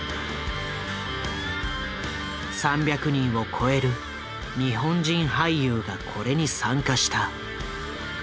３００人を超える日本人俳優がこれに参加した。